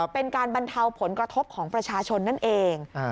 เป็นการบรรเทาผลกระทบของประชาชนนั่นเอง